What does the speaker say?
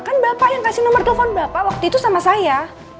kan bapak yang kasih nomor telepon bapak waktu itu sama saya